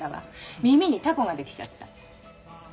耳にタコが出来ちゃった。